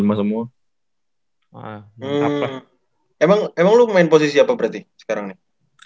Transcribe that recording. emang emang lu main posisi apa berarti sekarang nih